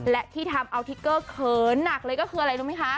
และที่ทำเอาทิเกอร์เหินนักเลยก็อะไรรู้มั้ยคะ